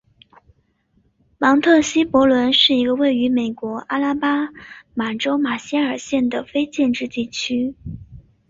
芒特希伯伦是一个位于美国阿拉巴马州马歇尔县的非建制地区。